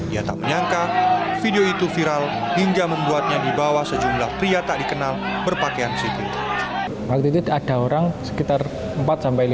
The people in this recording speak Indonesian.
ia tak menyangka video itu viral hingga membuatnya dibawa sejumlah pria tak dikenal berpakaian situ